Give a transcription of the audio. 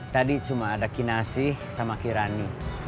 tadi cuma ada kinasi sama kirani